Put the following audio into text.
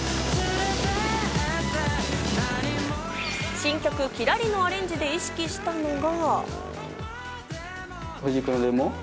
新曲『きらり』のアレンジで意識したのが。